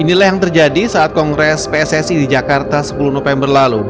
inilah yang terjadi saat kongres pssi di jakarta sepuluh november lalu